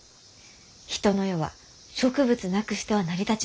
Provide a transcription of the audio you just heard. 人の世は植物なくしては成り立ちません。